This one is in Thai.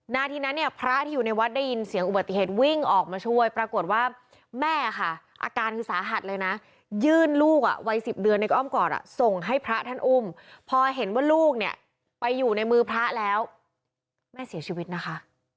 นาทีนั้นเนี่ยพระที่อยู่ในวัดได้ยินเสียงอุบัติเหตุวิ่งออกมาช่วยปรากฏว่าแม่ค่ะอาการคือสาหัสเลยนะยื่นลูกอ่ะวัย๑๐เดือนในอ้อมกอดส่งให้พระท่านอุ้มพอเห็นว่าลูกเนี่ยไปอยู่ในมือพระแล้วแม่เสียชีวิตนะคะ